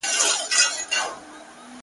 ته به پر ګرځې د وطن هره کوڅه به ستاوي!.